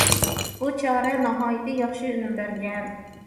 بۇ چارە ناھايىتى ياخشى ئۈنۈم بەرگەن.